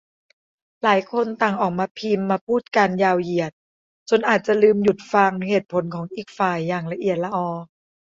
หลายคนต่างออกมาพิมพ์มาพูดกันยาวเหยียด จนอาจจะลืมหยุดฟังเหตุผลของอีกฝ่ายอย่างละเอียดลออ